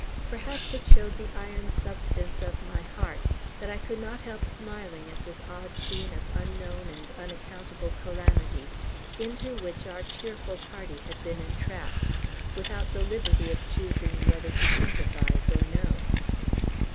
Perhaps it showed the iron substance of my heart, that I could not help smiling at this odd scene of unknown and unaccountable calamity, into which our cheerful party had been entrapped without the liberty of choosing whether to sympathize or no.